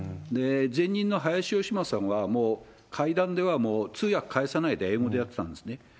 前任の林芳正さんは、もう会談では通訳介さないで英語でやってたんですね。